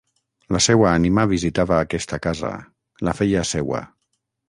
La seua ànima visitava aquesta casa, la feia seua.